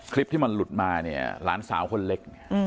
คลิปที่มันหลุดมาเนี่ยหลานสาวคนเล็ก